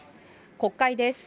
国会です。